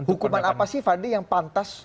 hukuman apa sih fadli yang pantas